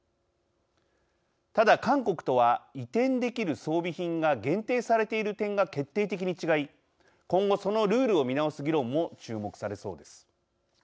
ただ、韓国とは移転できる装備品が限定されている点が決定的に違い今後、そのルールを見直す議論も注目されそうです。